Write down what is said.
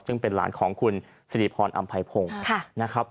ซึ่งเป็นหลานของคุณสิริพรอำภัยพงศ์